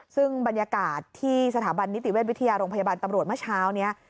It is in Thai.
ซึ่งบรรยากาศที่สถาบันนิติเวชวิทยาโรงพยาบาลตำรวจเมื่อเช้านี้